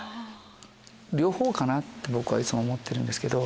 両方かなって僕はいつも思ってるんですけど。